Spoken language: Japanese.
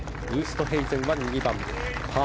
ウーストヘイゼンは２番、パー。